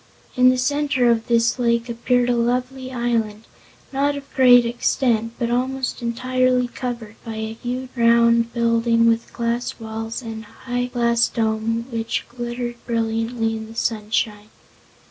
In the center of this lake appeared a lovely island, not of great extent but almost entirely covered by a huge round building with glass walls and a high glass dome which glittered brilliantly in the sunshine.